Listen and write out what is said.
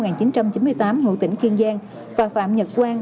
ngụ tỉnh kiên giang và phạm nhật quang